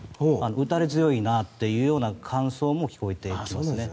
打たれ強いなっていうような感想も聞こえてきますね。